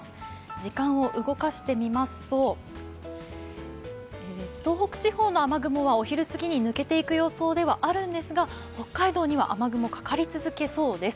時間を動かしてみますと、東北地方の雨雲はお昼過ぎに抜けていく予報ではあるんですが北海道には雨雲かかり続けそうです。